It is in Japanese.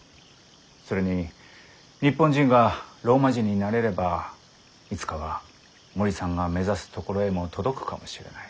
それに日本人がローマ字に慣れればいつかは森さんが目指すところへも届くかもしれない。